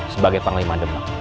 sebagai panglima demak